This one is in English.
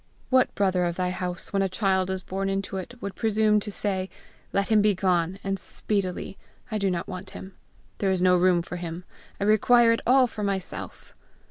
What brother of thy house, when a child is born into it, would presume to say, 'Let him begone, and speedily! I do not want him! There is no room for him! I require it all for myself!'